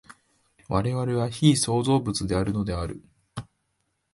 我々は被創造物であるのである。